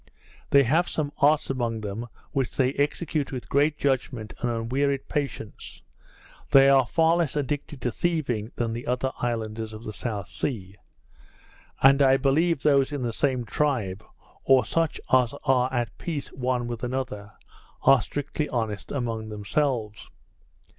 They have some arts among them which they execute with great judgment and unwearied patience; they are far less addicted to thieving than the other islanders of the South Sea; and I believe those in the same tribe, or such as are at peace one with another, are strictly honest among themselves.